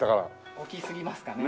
大きすぎますかね。